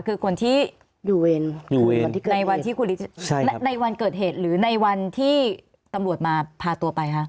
คือคนที่อยู่เองอยู่เองในวันที่ใช่ครับในวันเกิดเหตุหรือในวันที่ตำลวดมาพาตัวไปฮะ